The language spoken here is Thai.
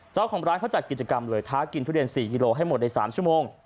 เจ้าของร้านเขาจัดกิจกรรมเลยท้ากินทุเรียน๔กิโลให้หมดใน๓ชั่วโมง